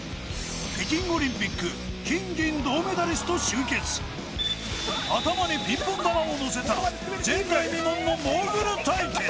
北京オリンピック金銀銅メダリスト集結頭にピンポン球をのせた前代未聞のモーグル対決！